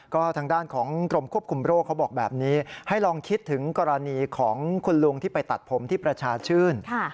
ก็ทางด้านของกรมควบคุมโรคเขาบอกแบบนี้ให้ลองคิดถึงกรณีของคุณลุงที่ไปตัดผมที่ประชาชื่น